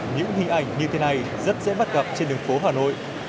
những hình ảnh như thế này rất dễ bắt gặp trên đường phố hà nội